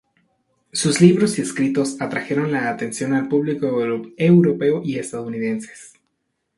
Sus libros y escritos atrajeron la atención al público europeo y estadounidenses.